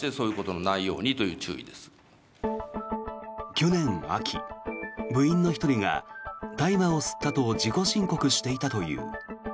去年秋、部員の１人が大麻を吸ったと自己申告していたという。